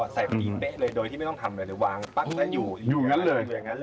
ใส่พอดีเป๊ะเลยโดยที่ไม่ต้องทำอะไรเลยวางปั๊กอยู่อยู่อย่างนั้นเลยอย่างนั้นเลย